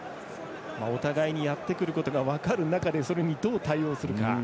お互いにやってくることが分かる中でそれにどう対応するか。